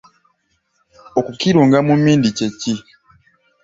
Okukirunga mu mmindi kye ki?